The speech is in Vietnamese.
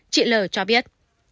chị l cho biết